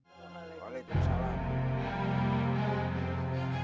assalamualaikum warahmatullahi wabarakatuh